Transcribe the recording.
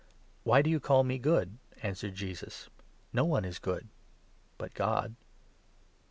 "Why do you call me good?" answered Jesus. " No one 18 is good but God.